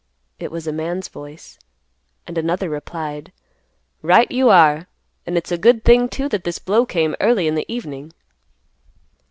It was a man's voice, and another replied, "Right you are. And it's a good thing, too, that this blow came early in the evening."